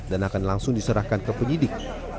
dan akan langsung diserahkan ke penyidik